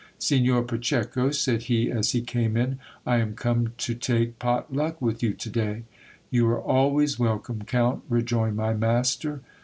Signor Pacheco, said he as he came in, I am come to take pot luck with you to day. You are always welcome, count, rejoined my master.